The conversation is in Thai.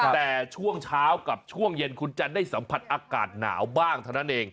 แต่ช่วงเช้ากับช่วงเย็นคุณจะได้สัมผัสอากาศหนาวบ้างเท่านั้นเอง